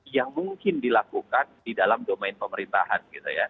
yang mungkin dilakukan di dalam domain pemerintahan